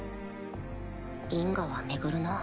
因果は巡るな。